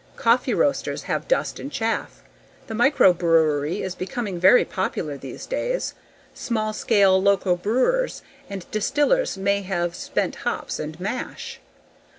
Coffee roasters have dust and chaff. The microbrewery is becoming very popular these days; mall scale local brewers and distillers may have spent hops and mash.